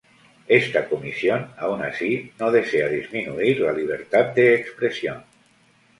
Esta comisión, aun así, no desea disminuir la libertad de expresión.